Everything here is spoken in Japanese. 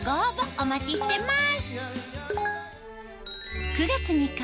お待ちしてます